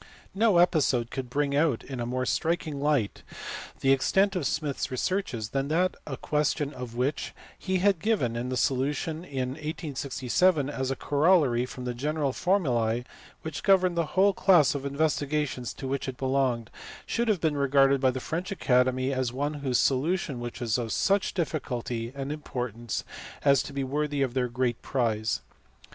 No episode could bring out in a more striking light the extent of Smith s researches than that a question of which he had given the solution in 1867 as a corollary from general formulae which governed the whole class of investigations to which it belonged should have been regarded by the French Academy as one whose solution was of such difficulty and importance as to be worthy of their great prize.